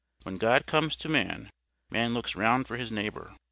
When God comes to man, man looks round for his neighbour.